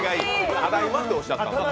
ただいまっておっしゃったんですね。